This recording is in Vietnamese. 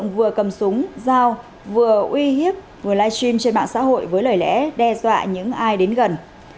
vừa cầm súng dao vừa uy hiếp vừa live stream trên mạng xã hội với lời lẽ đe dọa những ai đến gần